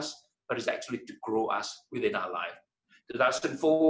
tetapi sebenarnya untuk membesarkan kita dalam hidup kita